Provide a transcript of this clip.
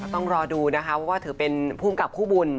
ต้องรอดูนะคะว่าเถอะเป็นผู้จัดผู้บุญ